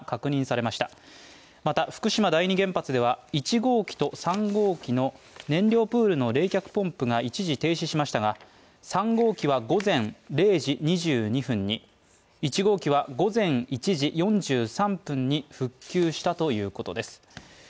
また、福島第２原発では、１号機と３号機の燃料プールの冷却ポンプが一時停止しましたが、３号機は午前０時２２分に１号機は午前１時４３分に復旧したということです。